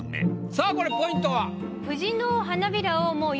さあこれポイントは？